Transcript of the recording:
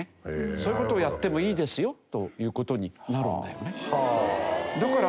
そういう事をやってもいいですよという事になるんだよね。